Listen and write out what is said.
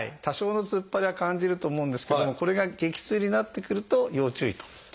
多少の突っ張りは感じると思うんですけどもこれが激痛になってくると要注意と。